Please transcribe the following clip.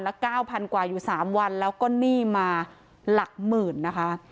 แล้วเก้าพันกว่าอยู่สามวันแล้วก็หนี้มาหลักหมื่นนะคะ